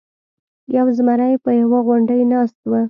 یو زمری په یوه غونډۍ ناست و.